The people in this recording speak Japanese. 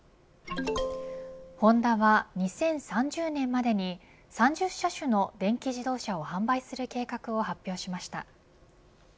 ホンダは２０３０年までに３０車種の電気自動車を販売する計画を発表しました。